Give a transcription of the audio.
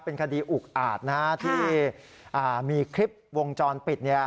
เป็นคดีอุกอาจนะฮะที่มีคลิปวงจรปิดเนี่ย